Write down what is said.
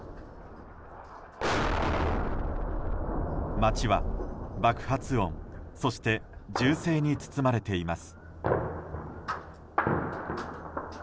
街は爆発音そして銃声に包まれています。